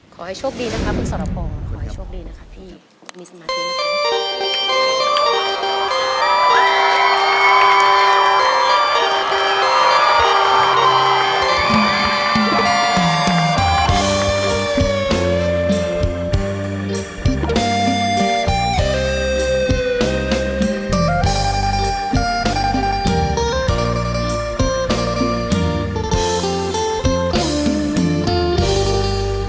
ขอให้โชคดีนะคะคุณสรปอขอให้โชคดีนะคะพี่มีสมาธินะครับ